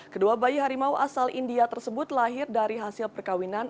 kedua bayi harimau asal india tersebut lahir dari hasil perkawinan